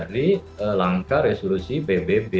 harus dimulai dari langkah resolusi pbb